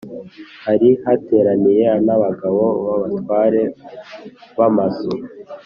Hari hateraniye n’abagabo b’abatware b’amazu